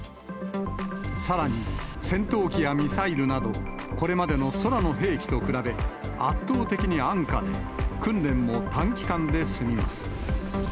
さらに戦闘機やミサイルなど、これまでの空の兵器と比べ、圧倒的に安価で、訓練も短期間で済みます。